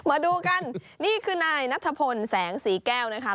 มาดูกันนี่คือนายนัทพลแสงสีแก้วนะคะ